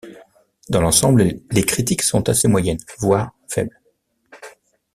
Dans l'ensemble, les critiques sont assez moyennes, voire faibles.